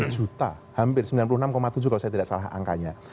sembilan puluh tujuh juta hampir sembilan puluh enam tujuh kalau saya tidak salah angkanya